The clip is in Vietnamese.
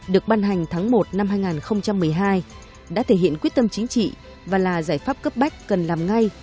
được ban hành tháng một năm hai nghìn một mươi hai đã thể hiện quyết tâm chính trị và là giải pháp cấp bách cần làm ngay